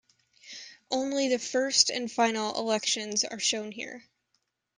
Only the first and final elections are shown here.